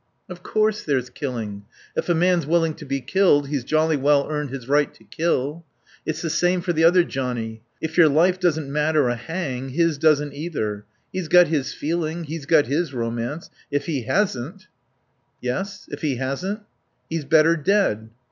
"Of course there's killing. If a man's willing to be killed he's jolly well earned his right to kill. It's the same for the other johnnie. If your life doesn't matter a hang, his doesn't either. He's got his feeling. He's got his romance. If he hasn't " "Yes if he hasn't?" "He's better dead."